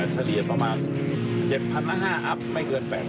เฉลี่ยประมาณ๗๐๐ละ๕อัพไม่เกิน๘๐๐